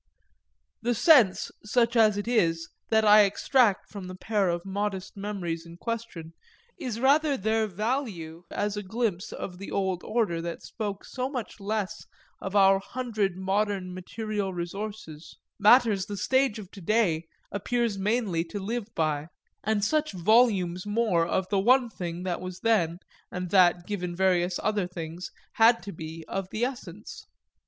The sense, such as it is, that I extract from the pair of modest memories in question is rather their value as a glimpse of the old order that spoke so much less of our hundred modern material resources, matters the stage of to day appears mainly to live by, and such volumes more of the one thing that was then, and that, given various other things, had to be, of the essence.